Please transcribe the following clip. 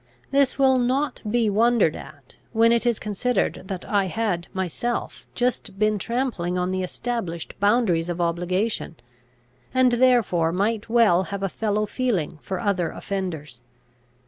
This will not be wondered at, when it is considered that I had myself just been trampling on the established boundaries of obligation, and therefore might well have a fellow feeling for other offenders.